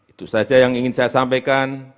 itu saja yang ingin saya sampaikan